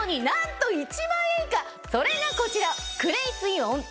それがこちら！